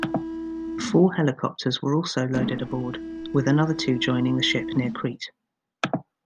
Four helicopters were also loaded aboard, with another two joining the ship near Crete.